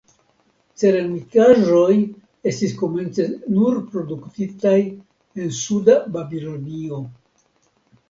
Ceramikaĵoj estis komence nur produktitaj en suda Babilonio.